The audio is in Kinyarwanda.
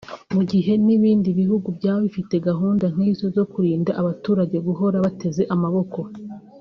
mu gihe n’ibindi bihugu byaba bifite gahunda nk’izo zo kurinda abaturage guhora bateze amaboko